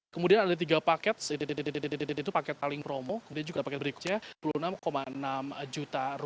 kemudian ada tiga paket itu paket paling promo kemudian juga paket berikutnya rp enam enam juta